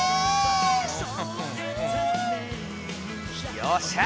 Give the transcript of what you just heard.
よっしゃ！